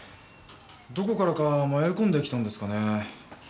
どこからか迷い込んできたんですかね？